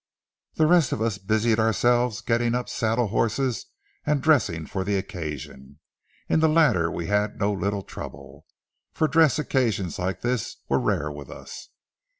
The rest of us busied ourselves getting up saddle horses and dressing for the occasion. In the latter we had no little trouble, for dress occasions like this were rare with us.